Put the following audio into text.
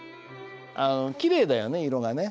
あのきれいだよね色がね。